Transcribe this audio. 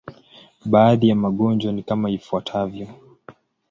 Baadhi ya magonjwa ni kama ifuatavyo.